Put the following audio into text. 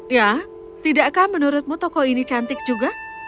ya tidakkah menurutmu toko ini cantik juga